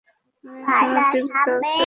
উনি এখনো জীবিত আছেন?